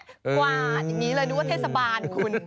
กว่านี้เลยดูว่าเทศบาลคุณ